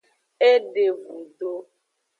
E de vudo.